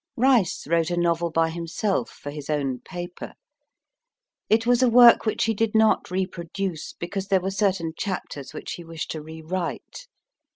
Rice wrote a novel by himself, for his own paper. It was a work which he did not reproduce, because there were certain chapters which he wished to re write.